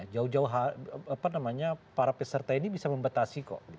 jauh jauh para peserta ini bisa membatasi kok